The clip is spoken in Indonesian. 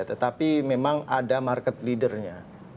tetapi memang ada market leadernya